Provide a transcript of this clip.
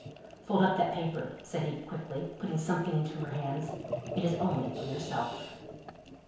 "Fold up that paper," said he, quickly, putting something into her hands. "It is only for yourself."